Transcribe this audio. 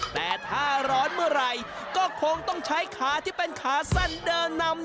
แต่ถ้าร้อนเมื่อไหร่ก็คงต้องใช้ขาที่เป็นขาสั้นเดินนำ